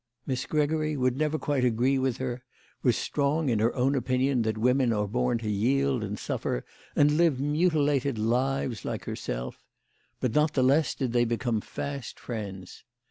Miss Gregory would never quite agree with her ; was strong in her own opinion that women are born to yield and suffer and live mutilated lives, like herself ; but not the less did they become fast friends.